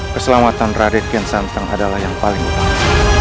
keselamatan radit gensanteng adalah yang paling utama